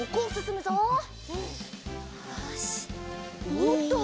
おっと！